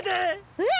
えっ？